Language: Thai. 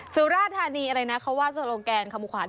สุราธานีอะไรนะเขาว่าสวงแกนขมุขวัญ